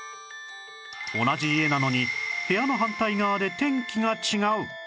同じ家なのに部屋の反対側で天気が違う